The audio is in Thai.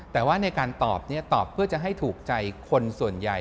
แต่ว่าในการตอบตอบเพื่อจะให้ถูกใจคนส่วนใหญ่